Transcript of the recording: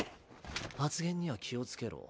発言には気をつけろ。